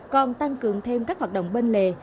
còn tăng cường thêm các hoạt động bên lề